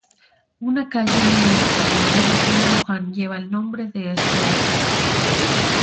Una calle de la localidad de Río Luján lleva el nombre de este obispo.